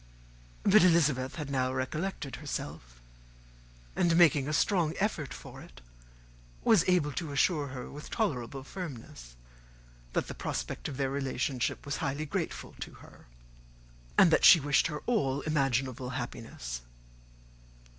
But Elizabeth had now recollected herself; and, making a strong effort for it, was able to assure her, with tolerable firmness, that the prospect of their relationship was highly grateful to her, and that she wished her all imaginable happiness.